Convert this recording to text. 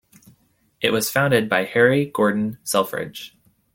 It was founded by Harry Gordon Selfridge.